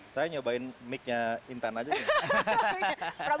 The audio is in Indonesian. saya nyobain mic nya intan aja ini